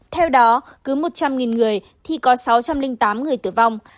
theo đó cứ một trăm linh người thì có sáu trăm linh tám người tử vong